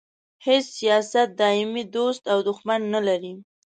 هیڅ سیاست دایمي دوست او دوښمن نه لري.